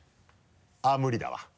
あっ無理だわ。